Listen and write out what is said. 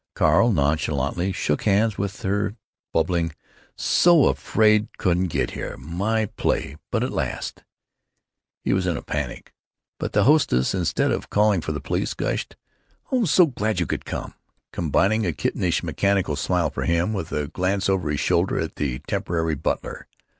Carl nonchalantly shook hands with her, bubbling: "So afraid couldn't get here. My play——But at last——" He was in a panic. But the hostess, instead of calling for the police, gushed, "So glad you could come!" combining a kittenish mechanical smile for him with a glance over his shoulder at the temporary butler.